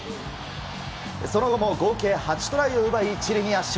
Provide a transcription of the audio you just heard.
その後も合計８トライを奪いチリに圧勝。